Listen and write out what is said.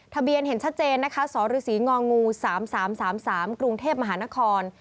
ทะเบียนเห็นชัดเจนนะคะสรศรีงองู๓๓กรุงเทพมหานคร